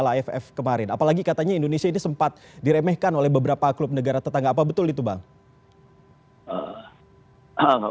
aff kemarin apalagi katanya indonesia ini sempat diremehkan oleh beberapa klub negara tetangga apa betul itu bang